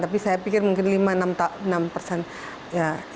tapi saya pikir mungkin lima enam persen ya apa